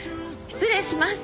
失礼します。